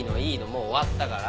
もう終わったから。